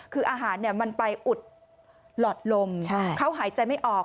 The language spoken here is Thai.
คืออาหารมันไปอุดหลอดลมเขาหายใจไม่ออก